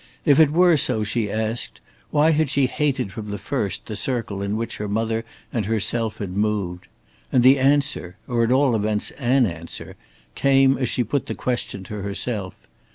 If it were so, she asked, why had she hated from the first the circle in which her mother and herself had moved. And the answer or at all events an answer came as she put the question to herself.